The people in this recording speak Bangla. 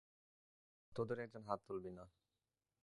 তোদের একজন হাত তুলবি না!